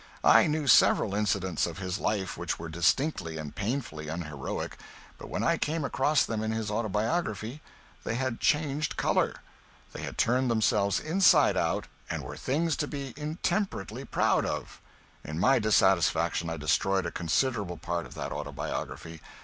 I knew several incidents of his life which were distinctly and painfully unheroic, but when I came across them in his autobiography they had changed color. They had turned themselves inside out, and were things to be intemperately proud of. In my dissatisfaction I destroyed a considerable part of that autobiography.